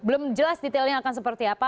belum jelas detailnya akan seperti apa